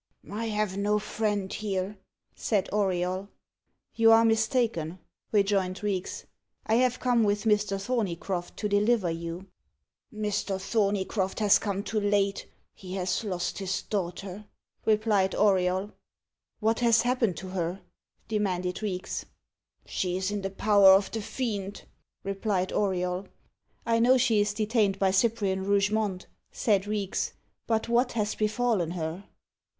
"I have no friend here," said Auriol. "You are mistaken," rejoined Reeks. "I have come with Mr. Thorneycroft to deliver you." "Mr. Thorneycroft has come too late. He has lost his daughter," replied Auriol. "What has happened to her?" demanded Reeks. "She is in the power of the Fiend," replied Auriol. "I know she is detained by Cyprian Rougemont," said Reeks. "But what has befallen her?"